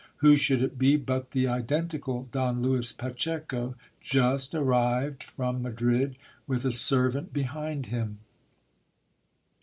Who should it be, but the identical Don Lewis Pacheco, just arrived from Madrid with a servant behind him.